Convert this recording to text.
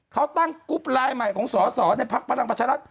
เขาตั้งกรุ๊ปลายใหม่ของส่อในพลังประชารัฐ